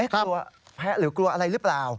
เกลียวกลัวหรือเปล่า